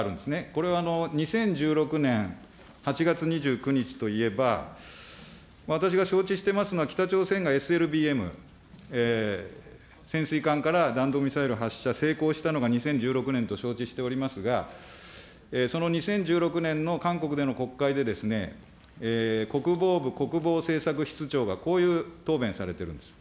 これは２０１６年８月２９日といえば、私が承知してますのは北朝鮮がＳＬＢＭ、潜水艦から弾道ミサイルを発射、成功したのが２０１６年と承知しておりますが、その２０１６年の韓国での国会でですね、国防部国防政策室長がこういう答弁されてるんです。